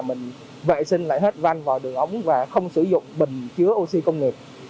mình vệ sinh lại hết van vòi đường ống và không sử dụng bình chứa oxy công nghiệp